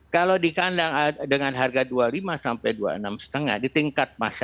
kalau di kandang dengan harga dua puluh lima dua puluh enam lima ratus